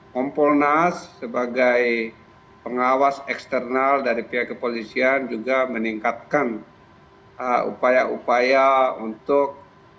kompolnas sebagai pengawas eksternal dari pihak kepolisian juga meningkatkan upaya upaya untuk